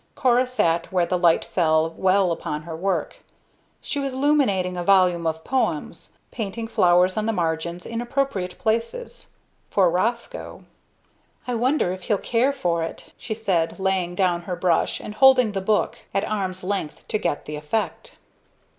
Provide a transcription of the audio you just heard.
Cora sat where the light fell well upon her work. She was illuminating a volume of poems, painting flowers on the margins, in appropriate places for Roscoe. "I wonder if he'll care for it?" she said, laying down her brush and holding the book at arm's length to get the effect.